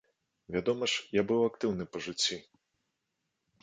Вядома ж, я быў актыўны па жыцці.